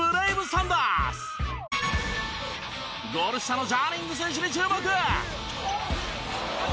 ゴール下のジャニング選手に注目！